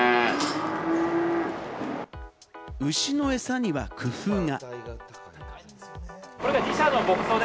牛のエサには工夫が。